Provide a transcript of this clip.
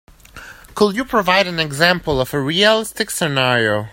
Could you provide an example of a realistic scenario?